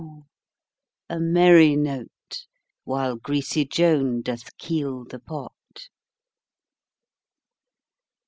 A merry note! While greasy Joan doth keel the pot.